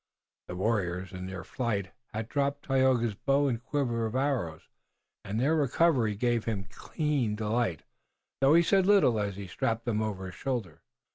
The warriors, in their flight, had dropped Tayoga's bow and quiver of arrows, and their recovery gave him keen delight, though he said little as he strapped them over his shoulder.